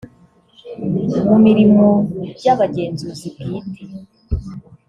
mu mirimo ry abagenzuzi bwite